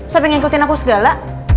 sampai ngikutin aku segala